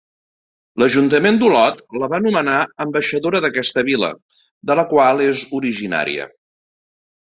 L'ajuntament d'Olot la va nomenar ambaixadora d'aquesta vila, de la qual és originària.